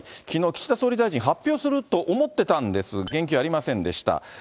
きのう、岸田総理大臣、発表すると思ってたんですが、言及ありませんでした。